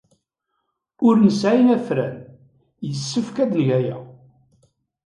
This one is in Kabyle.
Ur nesɛi afran. Yessefk ad neg aya.